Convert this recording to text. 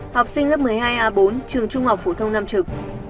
học sinh lớp một mươi hai a bốn trường trung học phổ thông nam trực